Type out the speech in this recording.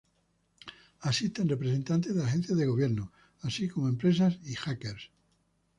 Asisten representantes de agencias de gobierno, así como empresas y hackers.